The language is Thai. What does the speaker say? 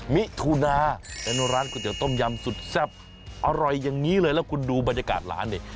มิถุนาเป็นร้านก๋วยเตี๋ต้มยำสุดแซ่บอร่อยอย่างนี้เลยแล้วคุณดูบรรยากาศร้านดิ